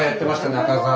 中澤さん。